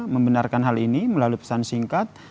membenarkan hal ini melalui pesan singkat